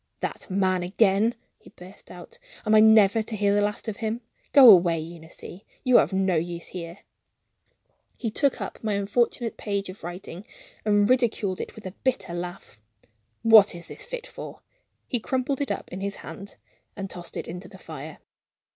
"That man again!" he burst out. "Am I never to hear the last of him? Go away, Eunice. You are of no use here." He took up my unfortunate page of writing and ridiculed it with a bitter laugh. "What is this fit for?" He crumpled it up in his hand and tossed it into the fire.